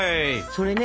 それね